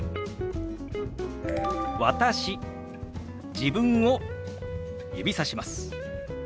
自分を指さします。